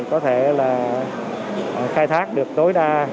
có thể là khai thác được tối đa